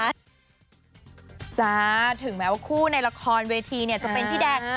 จ้าถึงแม้ว่าคู่ในละครเวทีเนี่ยจะเป็นพี่แดน